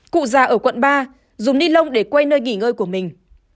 cụ già ở quận ba dùng ni lông để quay nơi nghỉ ngơi của mình